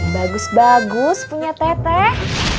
bagus bagus punya teh teh